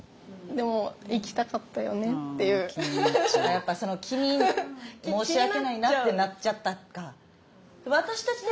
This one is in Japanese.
やっぱその気に申し訳ないなってなっちゃったか。